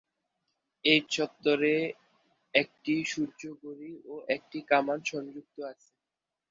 এই চত্বরে একটি সূর্য-ঘড়ি ও একটি কামান সংযুক্ত আছে।